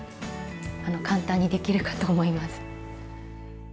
簡単にできるかと思います。